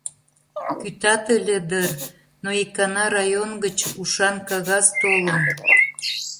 Кӱтат ыле дыр, но икана район гыч «ушан» кагаз толын.